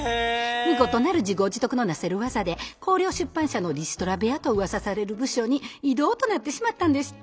見事なる自業自得のなせるわざで光陵出版社のリストラ部屋とうわさされる部署に異動となってしまったのでした。